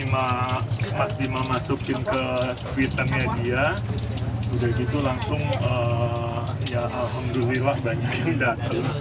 lima lima masukin ke twitternya dia udah gitu langsung ya alhamdulillah banyak tidak